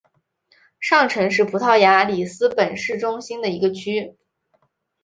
上城是葡萄牙里斯本市中心的一个区。